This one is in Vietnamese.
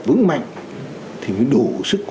vững mạnh thì mới đủ sức khỏe